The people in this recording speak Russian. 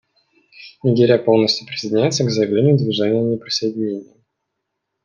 Нигерия полностью присоединяется к заявлению Движения неприсоединения.